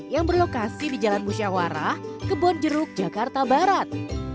yang berlokasi di jalan busyawara ke bonjeruk jakarta barat